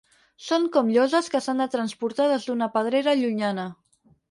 Són com lloses que s'han de transportar des d'una pedrera llunyana”.